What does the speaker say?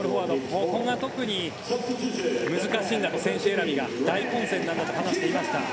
ここが特に難しいんだと選手選びが大混戦なんだと話していました。